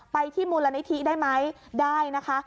ไปที่มูลนิธิได้ไหมได้นะคะ